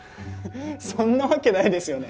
そんなわけないですよね。